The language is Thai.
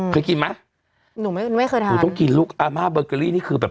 เคยกินไหมหนูไม่ไม่เคยทานหนูต้องกินลูกอาม่าเบอร์เกอรี่นี่คือแบบ